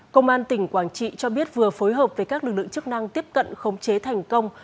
công an tỉnh quảng trị cho biết vừa phối hợp với các lực lượng chức năng tiếp cận khống chế thành công